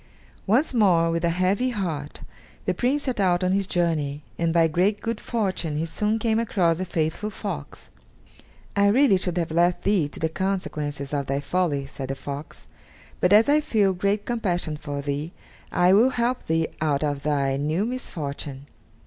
Once more, with a heavy heart, the Prince set out on his journey, and by great good fortune he soon came across the faithful fox. "I really should have left thee to the consequences of thy folly," said the fox; "but as I feel great compassion for thee, I will help thee out of thy new misfortune.